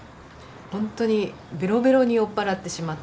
ほんとにベロベロに酔っ払ってしまって。